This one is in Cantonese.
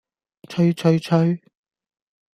催催催